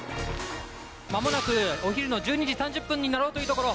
まもなくお昼の１２時３０分になろうというところ。